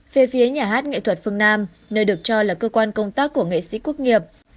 về phía nhà hát nghệ thuật phương nam nơi được cho là cơ quan công tác của nghệ sĩ quốc nghiệp